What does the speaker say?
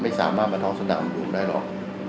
ไม่สามารถมาท้องสนามหลวงได้หรอก